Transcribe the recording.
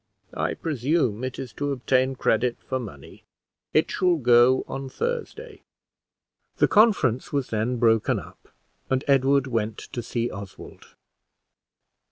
I presume it is to obtain credit for money. It shall go on Thursday." The conference was then broken up, and Edward went to see Oswald.